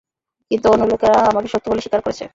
কিন্তু অন্য লোকেরা আমাকে সত্য বলে স্বীকার করেছে।